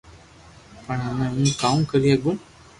پڻ ھمي ھون ڪاوُ ڪري ھگو